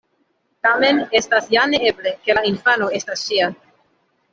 Tamen, estas ja neeble, ke la infano estas ŝia.